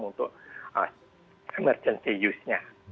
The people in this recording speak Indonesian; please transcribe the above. untuk emergency use nya